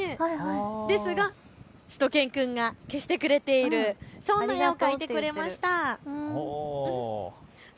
ですがしゅと犬くんが消してくれている、そんな絵を描いてくれました。